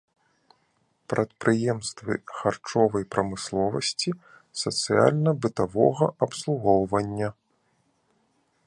Прадпрыемствы харчовай прамысловасці, сацыяльна-бытавога абслугоўвання.